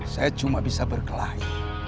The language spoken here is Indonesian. saya cuma bisa berkelahi